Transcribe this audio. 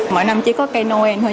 mỗi năm chỉ có cây noel thôi